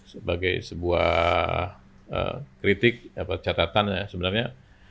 sebagai sebuah kritik catatan ya sebenarnya